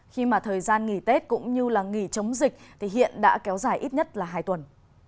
khi mà thời gian nghỉ tết cũng như là nghỉ chống dịch thì hiện đã kéo dài ít nhất là hai tuần